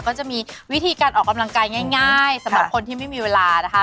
ก็จะมีวิธีการออกกำลังกายง่ายสำหรับคนที่ไม่มีเวลานะคะ